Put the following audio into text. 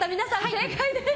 正解です！